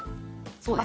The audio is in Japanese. そうです。